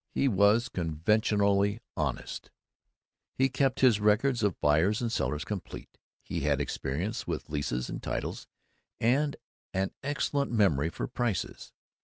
He was conventionally honest, he kept his records of buyers and sellers complete, he had experience with leases and titles and an excellent memory for prices.